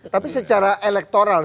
tapi secara elektoral